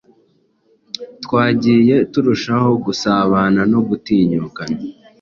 twagiye turushaho gusabana no gutinyukana.